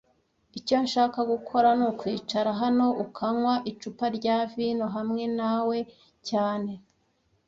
Icyo nshaka gukora nukwicara hano ukanywa icupa rya vino hamwe nawe cyane